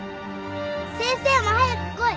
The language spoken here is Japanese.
先生も早く来い。